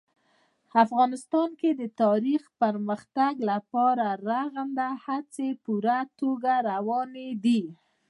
افغانستان کې د تاریخ د پرمختګ لپاره رغنده هڅې په پوره توګه روانې دي.